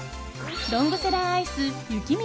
ロングセラーアイス雪見